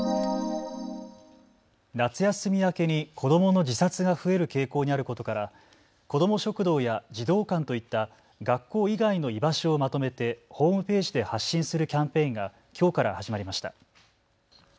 夏休み明けに子どもの自殺が増える傾向にあることから子ども食堂や児童館といった学校以外の居場所をまとめてホームページで発信するキャンペーンがきょうから始まりました。